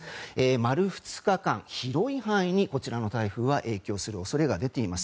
丸２日間広い範囲にこちらの台風は影響する恐れが出ています。